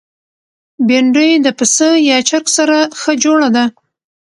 بېنډۍ د پسه یا چرګ سره ښه جوړه ده